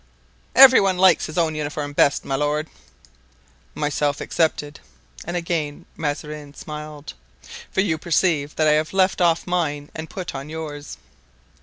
"Every one likes his own uniform best, my lord." "Myself excepted," and again Mazarin smiled; "for you perceive that I have left off mine and put on yours."